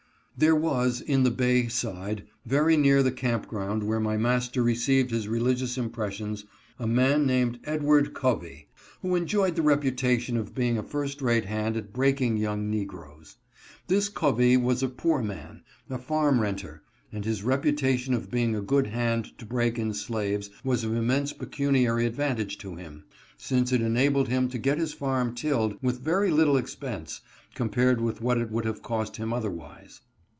There was, in the Bay side, very near the camp ground where my master received his religious impressions, a man named Edward Covey, who enjoyed the reputation of being a first rate hand at breaking young negroes. This Covey was a poor man, a farm renter ; and his repu tation of being a good hand to break in slaves was of immense pecuniary advantage to him, since it enabled him to get his farm tilled with very little expense, com pared with what it would have cost him otherwise.